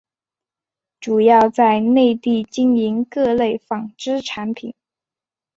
主要在内地经营各类纺织产品。